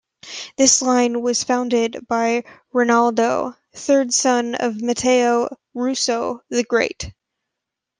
This line was founded by Rinaldo, third son of Matteo Rosso the Great.